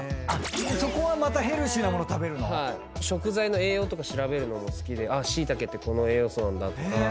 そこはまたヘルシーな物食べるの⁉食材の栄養とか調べるのも好きでシイタケってこの栄養素なんだとか。